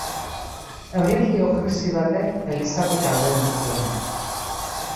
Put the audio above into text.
Erlijio-krisi batek Elizatik aldendu zuen.